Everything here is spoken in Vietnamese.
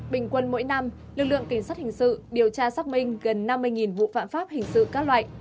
bình quân mỗi năm lực lượng kỳ sát hình sự điều tra xác minh gần năm mươi vụ phạm pháp hình sự các loại